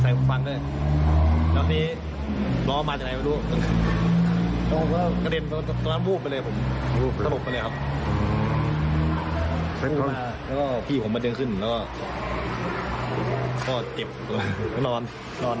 แล้วก็พี่ผมมาเดินขึ้นแล้วก็เจ็บลงไปนอน